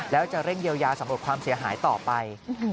แล้วจะเร่งเยียวยาสำรวจความเสียหายต่อไป